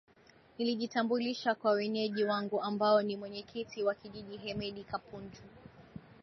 Nilijitambulisha kwa wenyeji wangu ambao ni Mwenyekiti wa Kijiji Hemedi Kapunju